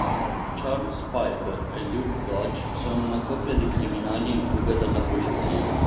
Charles Piper e Luke Dodge sono una coppia di criminali in fuga dalla polizia.